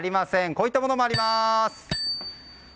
こういったものもあります。